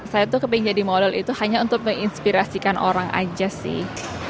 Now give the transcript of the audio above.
saya tuh keping jadi model itu hanya untuk menginspirasikan orang aja sih